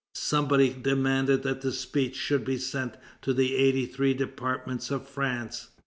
Somebody demanded that the speech should be sent to the eighty three departments of France.